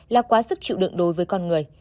là quá sức chịu đựng đối với con người